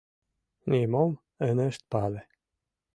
Нимом ынышт пале.